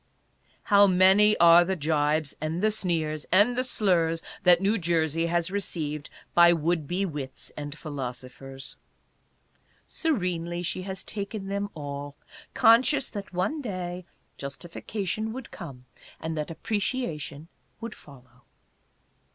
How many are the jibes, and the sneers, and the slurs that New Jersey has received by would be wits and philosophers ! Serenely she has taken them all, conscious that one day justification would come and that appreciation would follow.